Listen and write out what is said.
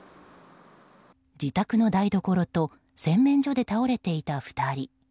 自宅の台所と洗面所で倒れていた２人。